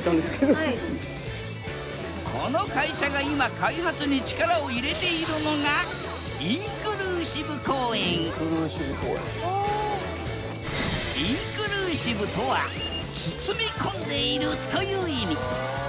この会社が今開発に力を入れているのがインクルーシブとは「包み込んでいる」という意味。